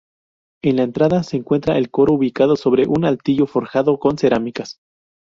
En la entrada se encuentra el coro ubicado sobre un altillo forjado con cerámicas.